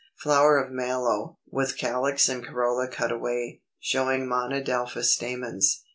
Flower of a Mallow, with calyx and corolla cut away; showing monadelphous stamens.